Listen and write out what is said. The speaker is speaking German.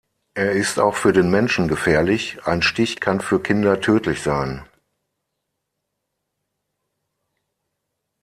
Er ist auch für den Menschen gefährlich, ein Stich kann für Kinder tödlich sein.